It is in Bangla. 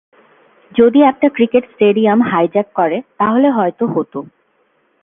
যদি একটা ক্রিকেট স্টেডিয়াম হাইজ্যাক করে তাহলে হয়তো হতো।